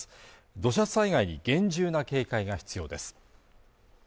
土砂災害に厳重な警戒が必要です。